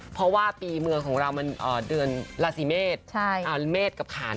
เพราะว่าปีเมืองของเรามันเดือนราศีเมษเมษกับขาน